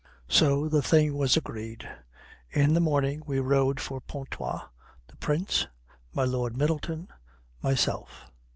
"So the thing was agreed. In the morning we rode for Pontoise, the Prince, my Lord Middleton, myself.